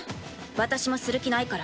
私もする気ないから。